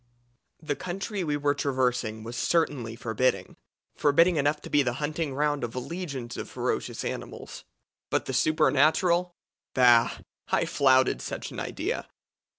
"The country we were traversing was certainly forbidding forbidding enough to be the hunting ground of legions of ferocious animals. But the supernatural! Bah! I flouted such an idea.